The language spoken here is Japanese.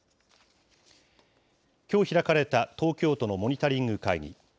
きょう開かれた東京都のモニタリング会議。